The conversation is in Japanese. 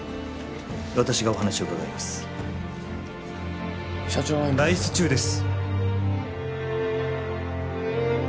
私がお話を伺います社長は今外出中です